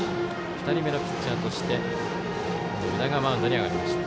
２人目のピッチャーとして湯田がマウンドに上がりました。